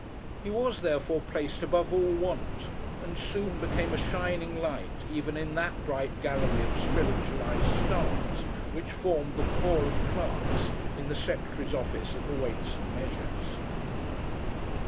He was, therefore, placed above all want, and soon became a shining light even in that bright gallery of spiritualized stars which formed the corps of clerks in the Secretary's Office at the Weights and Measures.